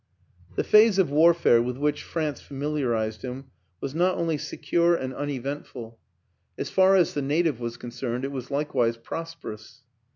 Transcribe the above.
The phase of warfare with which France familiarized him was not only secure and unevent 248 WILLIAM AN ENGLISHMAN ful; as far as the native was concerned it was like wise prosperous.